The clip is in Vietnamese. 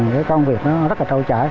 cái công việc nó rất là trâu trải